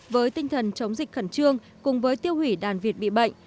với tinh thần chống dịch khẩn trương cùng với tiêu hủy đàn vịt bị bệnh